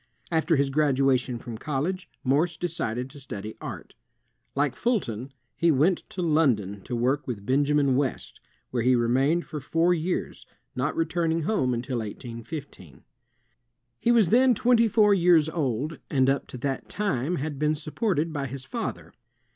After his graduation from college, Morse decided to study art. Like Fulton, he went to London to work with Benjamin West, where he remained for four years, not returning home until 1815. He was then twenty four years old, and up to that time had been supported by his father.